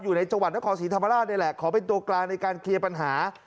อยู่ในจังหวัดนครศรีธรรมราชนี่แหละขอเป็นตัวกลางในการเคลียร์ปัญหา